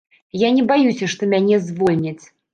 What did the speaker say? Я не баюся, што мяне звольняць.